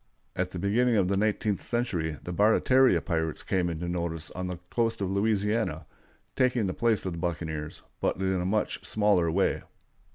At the beginning of the nineteenth century the Barataria pirates came into notice on the coast of Louisiana, taking the place of the buccaneers, but in a much smaller way.